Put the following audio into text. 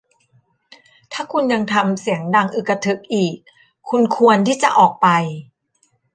ถ้าคุณยังทำเสียงดังอึกทึกอีก คุณควรที่จะออกไป